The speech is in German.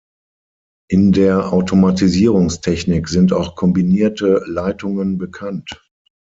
In der Automatisierungstechnik sind auch kombinierte Leitungen bekannt.